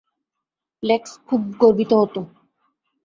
লেক্স খুব গর্বিত হতো।